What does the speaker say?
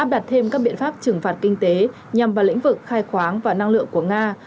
dùng các biện pháp trừng phạt kinh tế nhằm vào lĩnh vực khai khoáng và năng lượng của nga